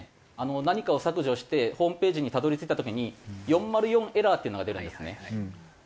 何かを削除してホームページにたどり着いた時に４０４エラーっていうのが出るんですね。